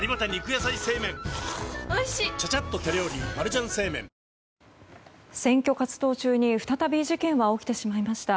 キリン「生茶」選挙活動中に再び事件は起きてしまいました。